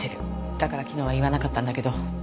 だから昨日は言わなかったんだけど。